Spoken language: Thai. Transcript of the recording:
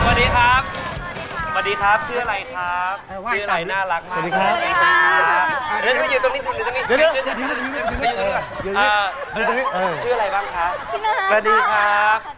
สวัสดีครับสวัสดีครับชื่ออะไรครับชื่ออะไรน่ารักมากชื่ออะไรบ้างคะสวัสดีครับ